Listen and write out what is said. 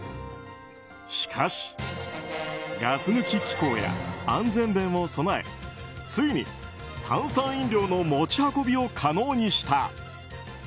しかしガス抜き機構や安全弁を備えついに炭酸飲料の持ち運びを可能にした。